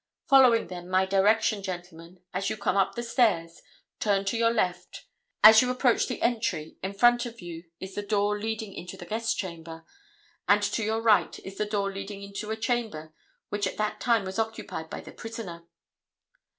Following, then, my direction, gentlemen, as you come up the stairs, turn to your left. As you approach the entry in front of you is the door leading into the guest chamber, and to your right is the door leading into a chamber which at that time was occupied by the prisoner.